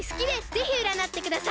ぜひうらなってください！